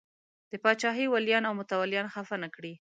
د پاچاهۍ ولیان او متولیان خفه نه کړي.